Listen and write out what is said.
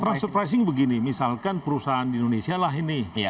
transfer pricing begini misalkan perusahaan di indonesia lah ini